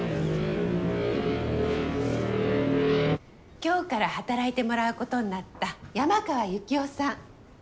今日から働いてもらうことになった山川ユキオさん。